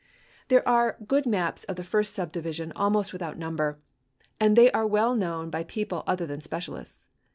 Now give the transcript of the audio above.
There are good maps of the first subdivision almost without number, and they are well known by people other than specialists.